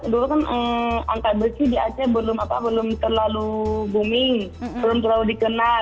dulu kan angka besi di aceh belum terlalu booming belum terlalu dikenal